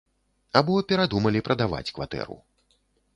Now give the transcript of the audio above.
Або перадумалі прадаваць кватэру.